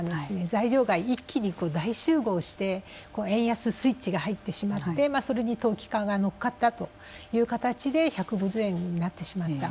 材料が一気に大集合して円安スイッチが入ってしまってそれに投機家が乗っかったという形で１５０円になってしまった。